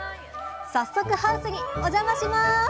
早速ハウスにお邪魔します！